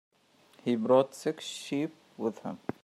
He brought six sheep with him.